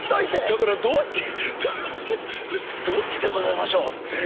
だからどっちどっちでございましょうっていう。